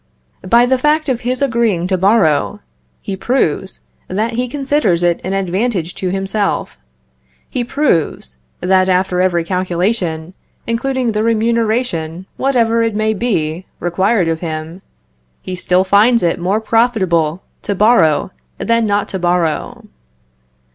By the fact of his agreeing to borrow, he proves that he considers it an advantage to himself; he proves, that after every calculation, including the remuneration, whatever it may be, required of him, he still finds it more profitable to borrow than not to borrow.